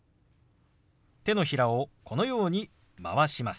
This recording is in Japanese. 手のひらをこのように回します。